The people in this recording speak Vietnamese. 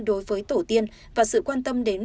đối với tổ tiên và sự quan tâm đến